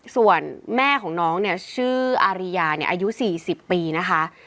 ส่วนแม่ของน้องเนี่ยชื่ออาริยาอายุ๔๐ปีนะคะ